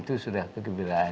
itu sudah kegembiraan